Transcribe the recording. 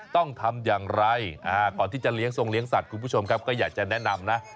ต้องทำอย่างไรก่อนที่จะเลี้ยทรงเลี้ยสัตว์คุณผู้ชมครับก็อยากจะแนะนำนะ